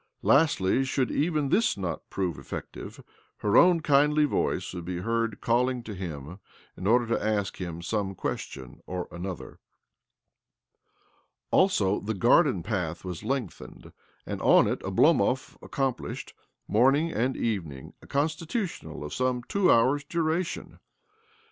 Last should even this not prove effective, her o\ kindly voice would be heard calling to hii in order to ask him some question or anoth( Also, the garden path was lengthened, a: on it Oblomov accom'plished, morning a: evening, a constitutional of some two hou duration.